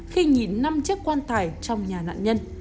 khi nhìn năm chiếc quan tải trong nhà nạn nhân